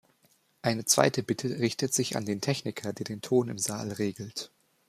Eine zweite Bitte richtet sich an den Techniker, der den Ton im Saal regelt.